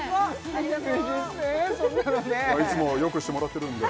ありがとう「いつもよくしてもらってるんで」